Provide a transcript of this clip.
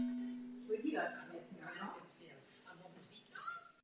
Vybavení jezdce se liší podle dané disciplíny.